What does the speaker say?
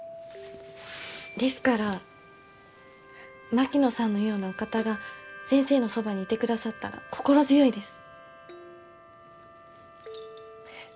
ですから槙野さんのようなお方が先生のそばにいてくださったら心強いです。